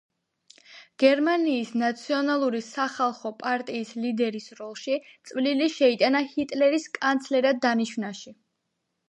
გერმანიის ნაციონალური სახალხო პარტიის ლიდერის როლში წვლილი შეიტანა ჰიტლერის კანცლერად დანიშვნაში.